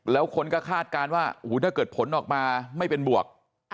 แล้วคนก็คาดการณ์ว่าถ้าเกิดผลออกมาไม่เป็นบวก